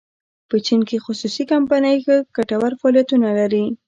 په چین کې خصوصي کمپنۍ ښه ګټور فعالیتونه لري.